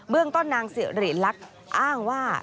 เบื้องต้นนางเสรีหลักอ้างว่า